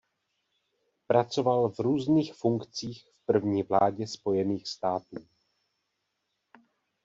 Pracoval v různých funkcích v první vládě Spojených států.